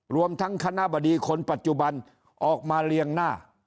รวมทั้งคณะบดีคนปัจจุบันออกมาเรียงหน้า